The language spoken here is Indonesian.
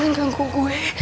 jangan ganggu gue